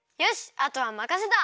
あとはまかせた！